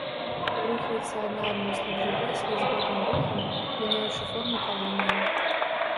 Рухаюцца адна адносна другой слізготным рухам, мяняючы форму калоніі.